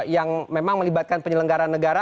yang memang melibatkan penyelenggara negara